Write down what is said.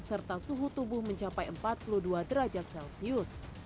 serta suhu tubuh mencapai empat puluh dua derajat celcius